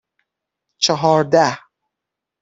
چهارده